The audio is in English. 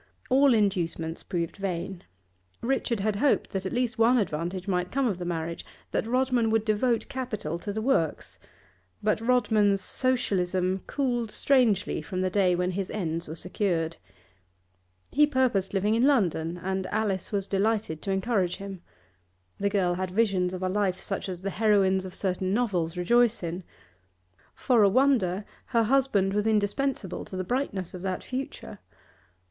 All inducements proved vain. Richard had hoped that at least one advantage might come of the marriage, that Rodman would devote capital to the works; but Rodman's Socialism cooled strangely from the day when his ends were secured. He purposed living in London, and Alice was delighted to encourage him. The girl had visions of a life such as the heroines of certain novels rejoice in. For a wonder, her husband was indispensable to the brightness of that future.